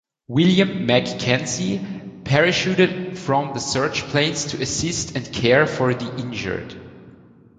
William MacKenzie, parachuted from the search planes to assist and care for the injured.